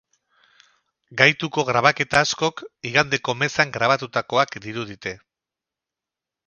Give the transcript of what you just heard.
Gaituko grabaketa askok igandeko mezan grabatutakoak dirudite.